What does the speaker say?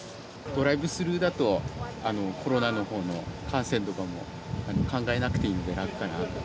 ドライブスルーだとコロナのほうの感染とかも考えなくていいので楽かなと。